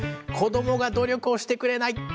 「子どもが努力をしてくれない」。